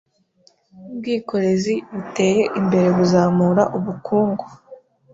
Ubwikorezi buteye imbere buzamura ubukungu